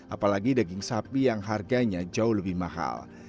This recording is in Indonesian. apalagi daging sapi yang harganya jauh lebih mahal